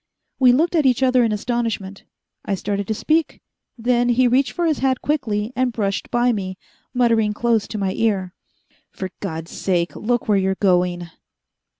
We looked at each other in astonishment. I started to speak. Then he reached for his hat quickly, and brushed by me, muttering close to my ear. "For God's sake, look where you're going...."